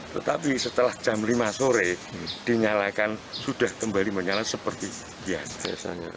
tetapi setelah jam lima sore dinyalakan sudah kembali menyala seperti biasa